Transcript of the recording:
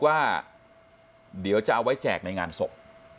ว่าเดี๋ยวจะเอาไว้แจกในงานศพ